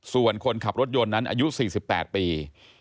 ส่วนคนขับรถยนต์นั้นอายุ๔๘ปี